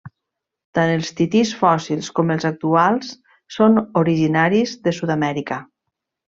Tant els titís fòssils com els actuals són originaris de Sud-amèrica.